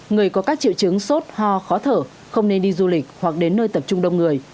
người có các triệu chứng sốt ho khó thở không nên đi du lịch hoặc đến nơi tập trung đông người